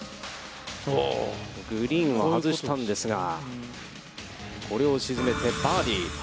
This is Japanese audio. グリーンを外したんですが、これを沈めてバーディー。